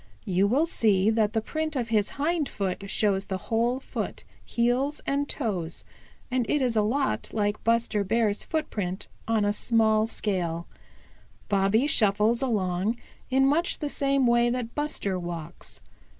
You will see that the print of his hind foot shows the whole foot, heels and toes, and is a lot like Buster Bear's footprint on a small scale. Bobby shuffles along in much the same way that Buster walks.